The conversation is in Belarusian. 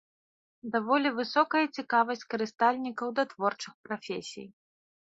Даволі высокая цікавасць карыстальнікаў да творчых прафесій.